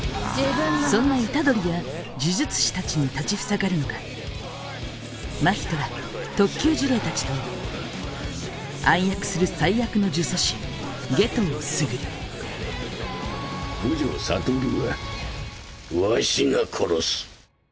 そんな虎杖や呪術師たちに立ち塞がるのが真人ら特級呪霊たちと暗躍する最悪の呪詛師夏油傑五条悟はわしが殺す。